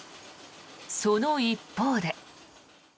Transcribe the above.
その一方で。